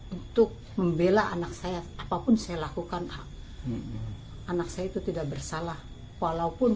untuk membela anak saya apapun saya lakukan anak saya itu tidak bersalah walaupun